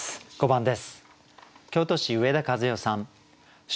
５番です。